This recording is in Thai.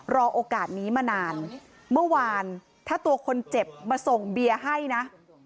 โอกาสนี้มานานเมื่อวานถ้าตัวคนเจ็บมาส่งเบียร์ให้นะ